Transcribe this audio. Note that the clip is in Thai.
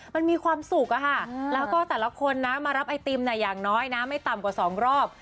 มันมีความสุขอะค่ะแล้วก็แต่ละคนนะมารับไอติมอย่างน้อยนะไม่ต่ำกว่า๒รอบ